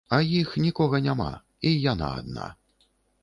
А іх нікога няма, і яна адна.